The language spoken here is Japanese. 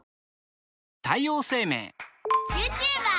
ユーチューバー！